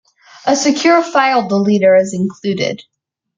A secure file deleter is included.